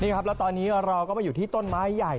นี่ครับแล้วตอนนี้เราก็มาอยู่ที่ต้นไม้ใหญ่